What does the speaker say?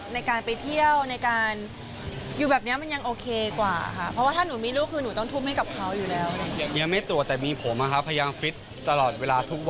ในการไปเที่ยว